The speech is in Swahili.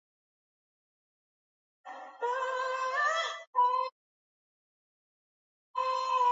Alitoa wito wa kurekebishwa upya kwa kikosi cha kulinda amani